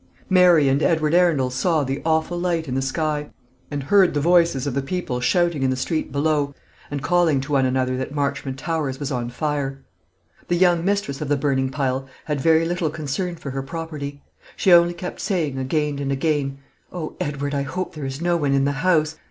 Mary and Edward Arundel saw the awful light in the sky, and heard the voices of the people shouting in the street below, and calling to one another that Marchmont Towers was on fire. The young mistress of the burning pile had very little concern for her property. She only kept saying, again and again, "O Edward! I hope there is no one in the house.